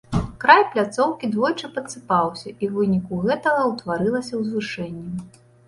Край пляцоўкі двойчы падсыпаўся, і ў выніку гэтага ўтварылася ўзвышэнне.